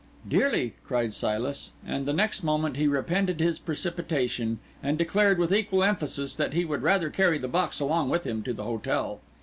"Dearly," cried Silas; and the next moment he repented his precipitation, and declared, with equal emphasis, that he would rather carry the box along with him to the hotel.